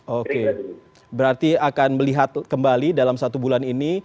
oke berarti akan melihat kembali dalam satu bulan ini